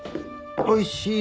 おいしい